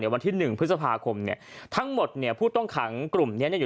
วันที่หนึ่งพฤษภาคมทั้งหมดผู้ต้องขังกลุ่มนี้